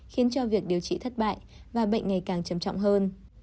khiến cho việc điều trị thất bại và bệnh ngày càng trầm trọng hơn